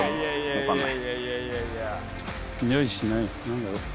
分かんない。